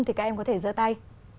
thì các em có thể giơ tay